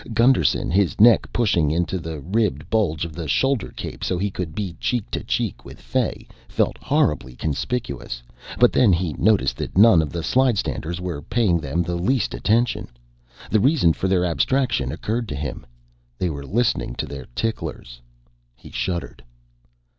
Gusterson, his neck pushing into the ribbed bulge of the shoulder cape so he could be cheek to cheek with Fay, felt horribly conspicuous, but then he noticed that none of the slidestanders were paying them the least attention. The reason for their abstraction occurred to him. They were listening to their ticklers! He shuddered.